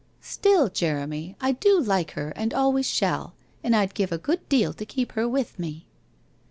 Still, Jeremy, I do like her and al ways shall, and I'd give a good deal to keep her with me.'